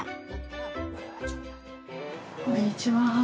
こんにちは。